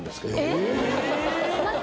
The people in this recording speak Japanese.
えっ！